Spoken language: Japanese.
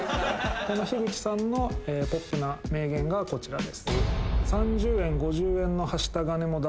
この樋口さんのポップな名言がこちらです。